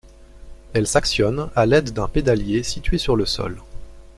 Elle s'actionne à l'aide d'un pédalier situé sur le sol.